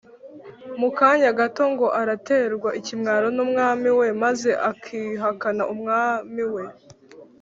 mu kanya gato ngo araterwa ikimwaro n’umwami we! maze akihakana umwami we